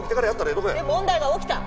で問題が起きた。